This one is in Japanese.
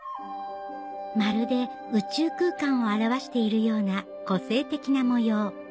まるで宇宙空間を表しているような個性的な模様